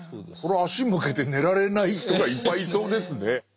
これ足向けて寝られない人がいっぱいいそうですね。